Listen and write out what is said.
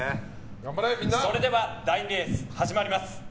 それでは、第２レース始まります。